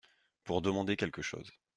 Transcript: Pour demander quelque chose.